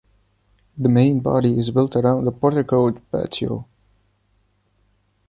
The main body is built around a porticoed patio.